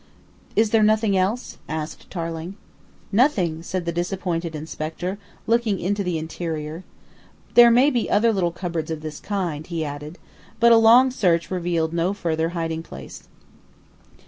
"Is there nothing else?" asked Tarling. "Nothing," said the disappointed inspector, looking into the interior. "There may be other little cupboards of this kind," he added. But a long search revealed no further hiding place.